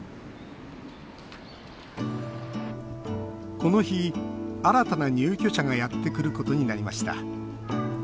この日、新たな入居者がやってくることになりました。